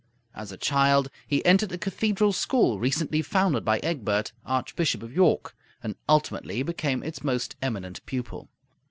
As a child he entered the cathedral school recently founded by Egbert, Archbishop of York, and ultimately became its most eminent pupil.